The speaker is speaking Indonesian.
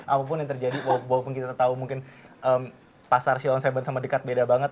apapun yang terjadi walaupun kita tahu mungkin pasar selon tujuh sama dekat beda banget